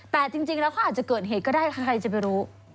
แต่จริงแล้วเขาอาจจะเกิดเหตุก็ได้ใครจะไปรู้